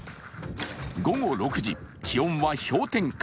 午後６時、気温は氷点下。